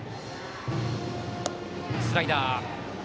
スライダー。